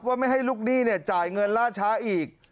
ไม่ให้ลูกหนี้จ่ายเงินล่าช้าอีก